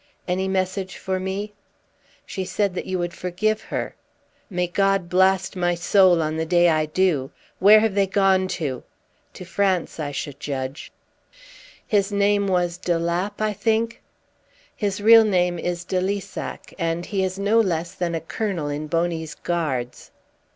"Any message for me?" "She said that you would forgive her." "May God blast my soul on the day I do! Where have they gone to?" "To France, I should judge." "His name was de Lapp, I think?" "His real name is de Lissac; and he is no less than a colonel in Boney's Guards."